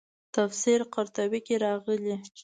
تفسیر قرطبي کې راغلي.